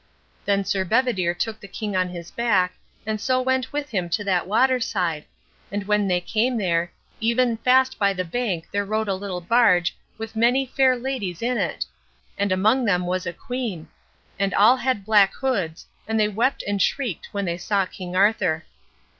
Then Sir Bedivere took the king on his back, and so went with him to that water side; and when they came there, even fast by the bank there rode a little barge with many fair ladies in it, and among them was a queen; and all had black hoods, and they wept and shrieked when they saw King Arthur.